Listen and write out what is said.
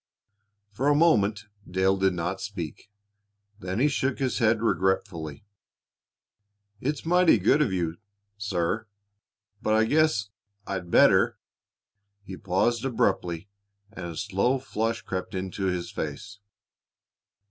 For a moment Dale did not speak. Then he shook his head regretfully. "It's mighty good of you, sir, but I guess I'd better " He paused abruptly, and a slow flush crept into his face.